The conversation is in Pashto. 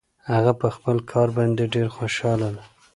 هغه په خپل کار باندې ډېر خوشحاله ده